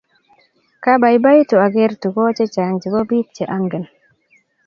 Kaboiboiitu aker tukoch chehcang chebo bik che angen